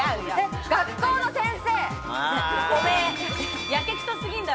学校の先生。